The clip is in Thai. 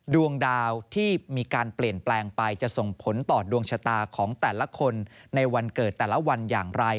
ดวงดาวที่มีการเปลี่ยนแปลงไปจะส่งผลต่อดวงชะตาของแต่ละคนในวันเกิดแต่ละวันอย่างไร